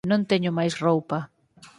Non teño máis roupa.